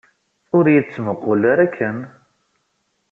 Ur iyi-d-ttmuqqul ara akken!